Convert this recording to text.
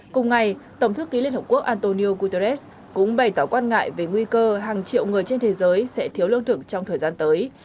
cùng ngày tổng thư ký liên hợp quốc antonio guterres cũng bày tỏ quan ngại về nguy cơ hàng triệu người trên thế giới sẽ thiếu lương thực trong thời gian tới